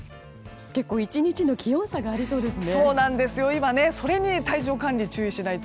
結構、１日の気温差がありそうですね。